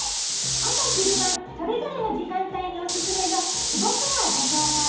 朝・昼・晩それぞれの時間帯におすすめのつぼケアをご紹介。